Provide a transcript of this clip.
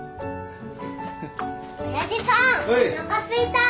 親父さんおなかすいた。